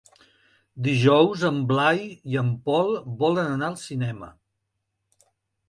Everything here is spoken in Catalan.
Dijous en Blai i en Pol volen anar al cinema.